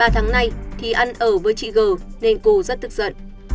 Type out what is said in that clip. ba tháng nay thì ăn ở với chị g nên cô rất tức giận